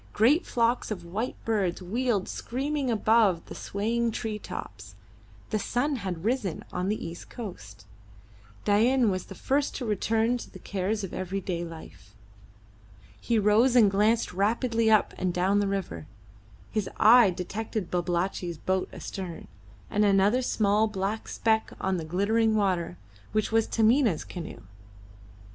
Great flocks of white birds wheeled screaming above the swaying tree tops. The sun had risen on the east coast. Dain was the first to return to the cares of everyday life. He rose and glanced rapidly up and down the river. His eye detected Babalatchi's boat astern, and another small black speck on the glittering water, which was Taminah's canoe.